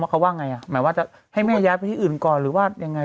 เขาว่าไงหมายว่าจะให้แม่ย้ายไปที่อื่นก่อนหรือว่ายังไง